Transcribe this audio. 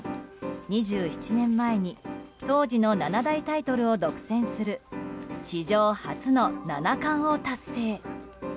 ２７年前に当時の七大タイトルを独占する史上初の七冠を達成。